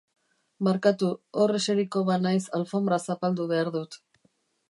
Barkatu, hor eseriko banaiz alfonbra zapaldu behar dut.